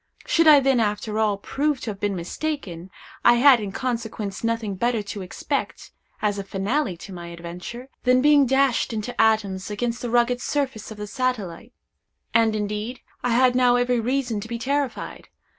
Should I then, after all, prove to have been mistaken, I had in consequence nothing better to expect, as a finale to my adventure, than being dashed into atoms against the rugged surface of the satellite. And, indeed, I had now every reason to be terrified.